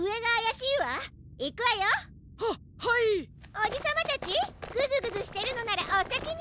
おじさまたちグズグズしてるのならおさきに！